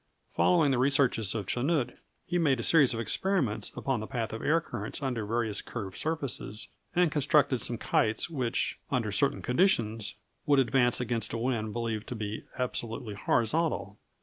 Following the researches of Chanute, he made a series of experiments upon the path of air currents under variously curved surfaces, and constructed some kites which, under certain conditions, would advance against a wind believed to be absolutely horizontal.